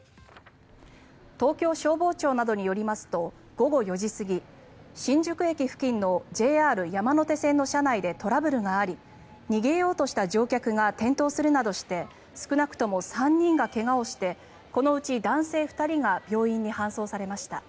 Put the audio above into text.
東京消防庁などによりますと午後４時過ぎ新宿駅付近のＪＲ山手線の車内でトラブルがあり逃げようとした乗客が転倒するなどして少なくとも３人が怪我をしてこのうち男性２人が病院に搬送されました。